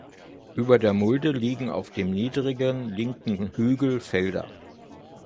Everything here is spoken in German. Über der Mulde liegen auf dem niedrigeren linken Hügel Felder.